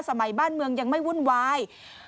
สมัยบ้านเมืองยังไม่วุ่นวาย